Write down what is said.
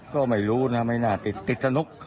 ก็ไม่รู้นะติดสนุก